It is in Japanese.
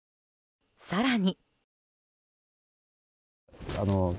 更に。